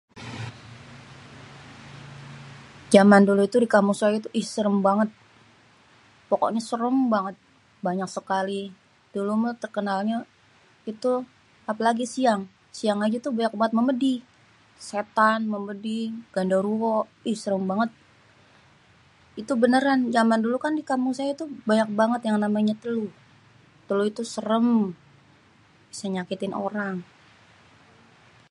Jaman dulu ituh di kampung saya itu ih serem banget, pokoknya serem banget. Banyak sekali, dulu mah terkenalnya itu apalagi siang, siang aja tuh banyak banget memedi. Setan, memedi, ganderuwo ih serem banget. Itu beneran jaman dulu kan di kampung saya tuh banyak banget yang namanya telu. Telu itu serem bisa nyakitin orang.